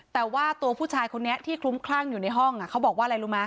แต่ว่าตัวผู้ชายคนนี้ที่คลุ้มคลั่งอยู่ในห้องเขาบอกว่าอะไรรู้ไหม